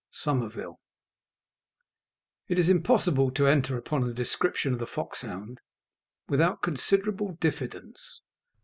SOMERVILLE. It is impossible to enter upon a description of the foxhound without considerable diffidence.